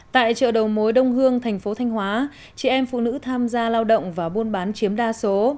tại chợ đầu mối đông hương thành phố thanh hóa chị em phụ nữ tham gia lao động và buôn bán chiếm đa số